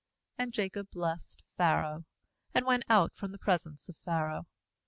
"And Jacob blessed Pharaoh, and went out from the presence^ of Pharaoh.